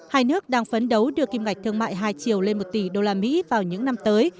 hai nước đang phấn đấu đưa kim ngạch thương mại hai triệu lên một tỷ usd vào những năm tới